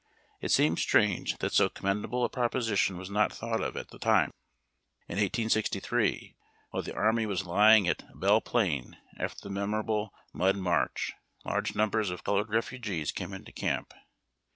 It seems strange that so commendable a proposition was not thought of at the time. In 1863, while the army was lying at Belle Plain after the memorable Mud March, large numbers of colored refugees came into camp.